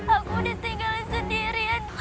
aku ditinggalin sendirian